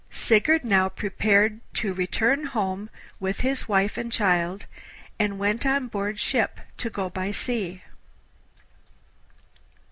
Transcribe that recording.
Sigurd now prepared to return home with his wife and child, and went on board ship to go by sea.